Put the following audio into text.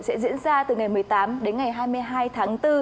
sẽ diễn ra từ ngày một mươi tám đến ngày hai mươi hai tháng bốn